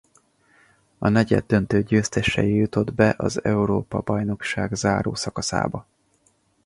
A negyeddöntő győztesei jutott be az Európa-bajnokság záró szakaszába.